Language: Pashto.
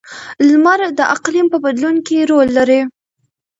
• لمر د اقلیم په بدلون کې رول لري.